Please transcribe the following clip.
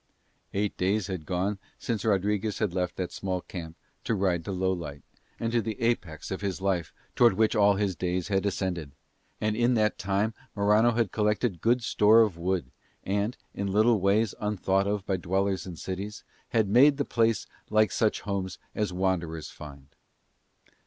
Eight days had gone since Rodriguez had left that small camp to ride to Lowlight, and to the apex of his life towards which all his days had ascended; and in that time Morano had collected good store of wood and, in little ways unthought of by dwellers in cities, had made the place like such homes as wanderers find.